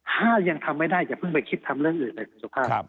ถ้ายังทำไม่ได้อย่าเพิ่งไปคิดทำเรื่องอื่นเลยคุณสุภาพ